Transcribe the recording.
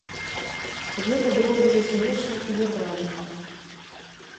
Гэта было б ужо смешна і няправільна.